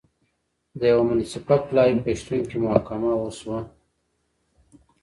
د یوه منصفه پلاوي په شتون کې محاکمه وشوه.